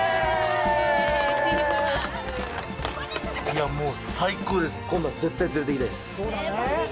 いやぁ、もう最高です！